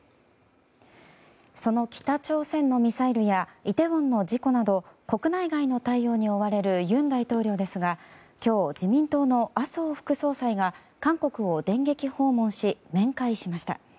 その北朝鮮のミサイルやイテウォンの事故など国内外の対応に追われる尹大統領ですが今日、自民党の麻生副総裁が韓国を電撃訪問し面会しました。